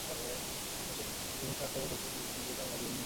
সবশেষে দুপাশের ওপরের মুখটা আটকাতে ভেলক্রো কিংবা চুম্বক বোতাম লাগিয়ে নিন।